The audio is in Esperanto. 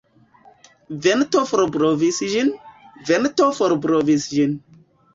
Vento forblovis ĝin, Vento forblovis ĝin.